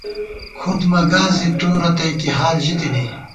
کُھد مہ گاس زی تو رتئ کی حال ژی تِنی